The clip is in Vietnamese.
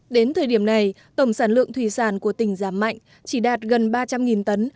đến thời điểm này tổng sản lượng thủy sản của tỉnh giảm mạnh chỉ đạt gần ba trăm linh tấn